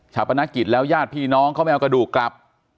ปนักกิจแล้วญาติพี่น้องเขาไม่เอากระดูกกลับ